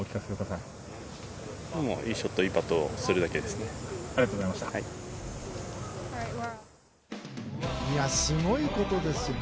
いいショットいいパットをするだけですね。